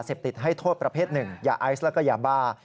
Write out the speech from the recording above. เสพติดให้โทษประเภทหนึ่งยาไอซ์แล้วก็ยาบ้า